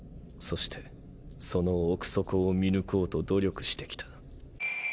そしてその奥底を見抜こうと努力してきた。